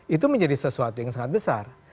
itu menjadi sesuatu yang sangat besar